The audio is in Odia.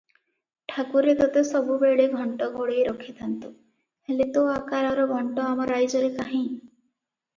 ଠାକୁରେ ତତେ ସବୁବେଳେ ଘଣ୍ଟ ଘୋଡ଼େଇ ରଖିଥାନ୍ତୁ, ହେଲେ ତୋ ଆକାରର ଘଣ୍ଟ ଆମ ରାଇଜରେ କାହିଁ?